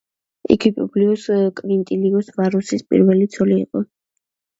იგი პუბლიუს კვინტილიუს ვარუსის პირველი ცოლი იყო.